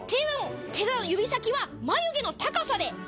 手の指先は眉毛の高さで。